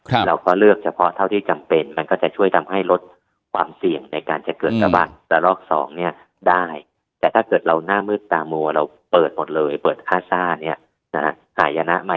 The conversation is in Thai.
เราก็เลือกเฉพาะเท่าที่จำเป็นมันก็จะช่วยทำให้ลดความเสี่ยงในการเกิดกับทะเลาะสองได้